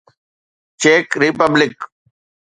check republic